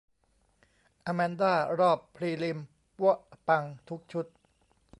อแมนด้า รอบพรีลิม ปั๊วะปังทุกชุด